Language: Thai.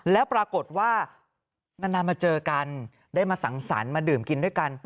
แล้วปรากฏว่านานมาเจอกันได้มาสังสรรค์มาดื่มกินด้วยกัน